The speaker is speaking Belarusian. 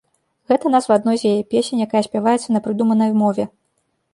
Гэта назва адной з яе песень, якая спяваецца на прыдуманай мове.